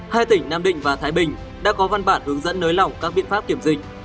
hai tỉnh nam định và thái bình đã có văn bản hướng dẫn nới lỏng các biện pháp kiểm dịch